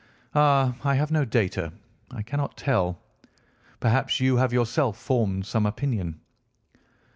"Ah, I have no data. I cannot tell. Perhaps you have yourself formed some opinion?"